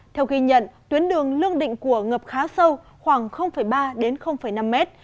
theo ghi nhận tuyến đường lương định của ngập khá sâu khoảng ba đến năm mét